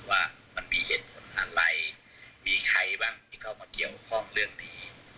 ว่ามันมีเหตุผลอะไรมีใครบ้างที่เข้ามาเกี่ยวข้องเรื่องนี้